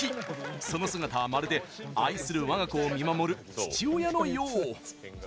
その姿は、まるで愛するわが子を見守る父親のよう。